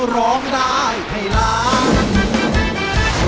ร้องได้ให้ล้าน